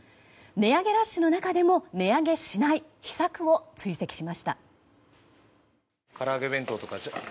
値上げラッシュの中でも値上げしない秘策を追跡しました。